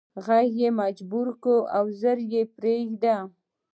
ږغ یې مجبور کړ چې ږیره پریږدي